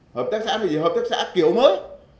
hợp tác xã là gì hợp tác xã kiểu mới